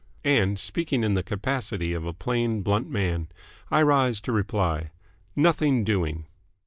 And, speaking in the capacity of a plain, blunt man, I rise to reply Nothing doing."